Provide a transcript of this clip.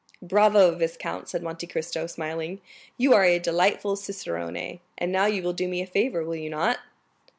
"Bravo, viscount," said Monte Cristo, smiling; "you are a delightful cicerone. And now you will do me a favor, will you not?"